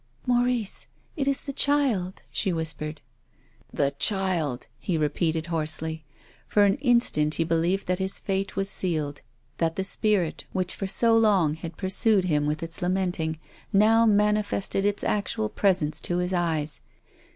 " Maurice — it is the child !" she whispered. " The child !" he repeated hoarsely. For an instant he believed that his fate was sealed, that the spirit, which for so long had pur sued him with its lamenting, now manifested its actual presence to his eyes.